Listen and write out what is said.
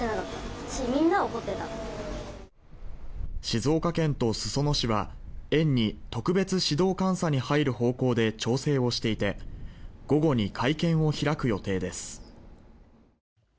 静岡県と裾野市は園に特別指導監査に入る方向で調整をしていて午後に会見を開く予定です。